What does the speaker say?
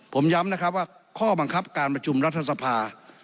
ผมย้ำนะครับว่าข้อบังคับการประชุมรัฐสภา